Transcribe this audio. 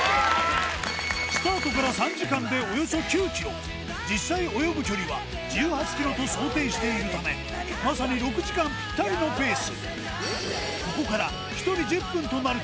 スタートから３時間でおよそ９ｋｍ実際泳ぐ距離は１８ｋｍと想定しているためまさに６時間ぴったりのペース